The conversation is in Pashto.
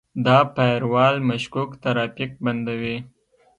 دا فایروال مشکوک ترافیک بندوي.